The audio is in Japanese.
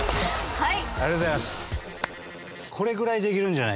はい。